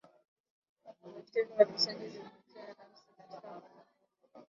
wa Meskhetian waliishi zilijumuishwa rasmi katika muundo